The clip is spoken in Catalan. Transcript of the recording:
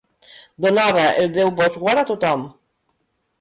Donava el Déu-vos-guard a tot-hom